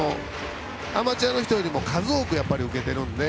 アマチュアの人より数多く受けてるので。